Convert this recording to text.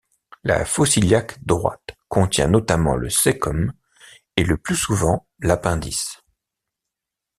La fosse iliaque droite contient notamment le cæcum et, le plus souvent, l'appendice.